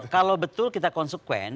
kalau betul kita konsekuen